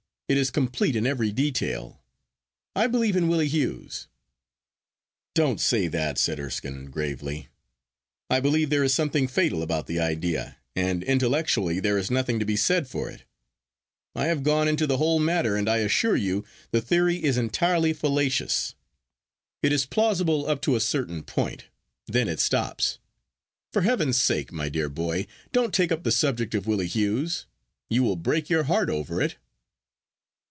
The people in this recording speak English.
It is complete in every detail. I believe in Willie Hughes.' 'Don't say that,' said Erskine gravely; 'I believe there is something fatal about the idea, and intellectually there is nothing to be said for it. I have gone into the whole matter, and I assure you the theory is entirely fallacious. It is plausible up to a certain point. Then it stops. For heaven's sake, my dear boy, don't take up the subject of Willie Hughes. You will break your heart over it.